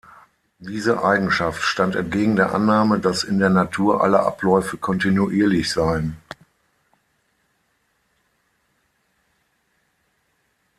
Diese Eigenschaft stand entgegen der Annahme, dass in der Natur alle Abläufe kontinuierlich seien.